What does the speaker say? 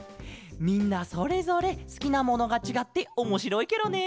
みんなそれぞれすきなものがちがっておもしろいケロね。